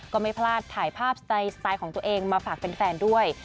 ก็ไม่พลาดถ่ายภาพสไตล์ของตัวเองมาฝากแฟนด้วย